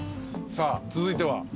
さあ続いては？